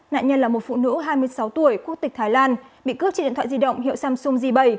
nạn nhân là một phụ nữ hai mươi sáu tuổi quốc tịch thái lan bị cướp trên điện thoại di động hiệu samsung g bảy